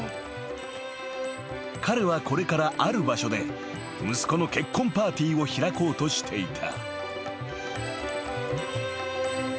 ［彼はこれからある場所で息子の結婚パーティーを開こうとしていた］